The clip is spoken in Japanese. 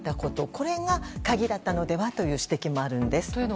これが鍵だったのではという指摘もあるんです。